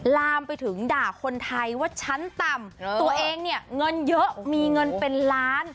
ลามไปถึงด่าคนไทยว่าชั้นต่ำตัวเองเนี่ยเงินเยอะมีเงินเป็นล้าน